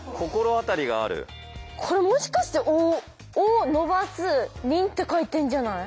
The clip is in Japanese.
これもしかして「お」「お」伸ばす「りん」って書いてんじゃない？